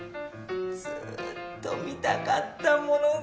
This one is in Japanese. ずっと見たかったものが。